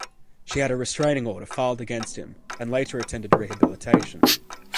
She had a restraining order filed against him, and later attended rehabilitation.